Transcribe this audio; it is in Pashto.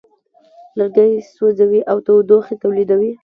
لرګی سوځي او تودوخه تولیدوي.